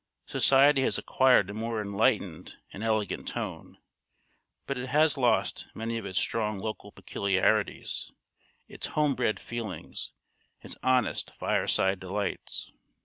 Society has acquired a more enlightened and elegant tone; but it has lost many of its strong local peculiarities, its home bred feelings, its honest fireside delights.